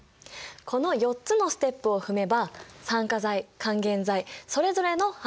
この４つのステップを踏めば酸化剤還元剤それぞれの反応式ができるんだよ。